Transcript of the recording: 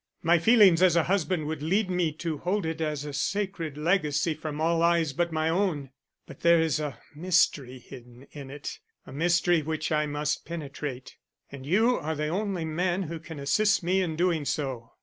My feelings as a husband would lead me to hold it as a sacred legacy from all eyes but my own; but there is a mystery hidden in it, a mystery which I must penetrate, and you are the only man who can assist me in doing so."